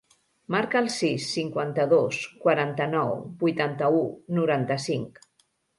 Marca el sis, cinquanta-dos, quaranta-nou, vuitanta-u, noranta-cinc.